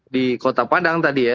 di kota padang tadi ya